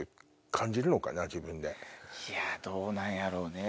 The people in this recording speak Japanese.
どうなんやろうね？